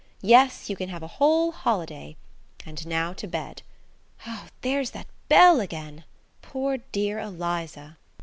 "Yes; you can have a whole holiday. And now to bed. Oh, there's that bell again! Poor, dear Eliza."